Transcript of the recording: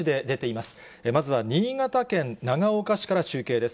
まずは新潟県長岡市から中継です。